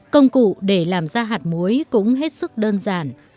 công cụ để làm ra hạt muối cũng hết sức đơn giản